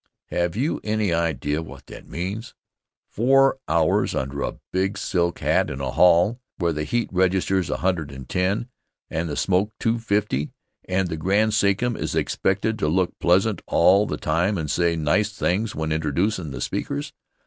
Have you any idea what that means? Four hours under a big silk hat in a hall where the heat registers 110 and the smoke 250! And the Grand Sachem is expected to look pleasant all the time and say nice things when introducin' the speakers!